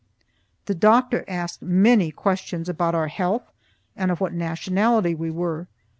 The doctor asked many questions about our health, and of what nationality we were.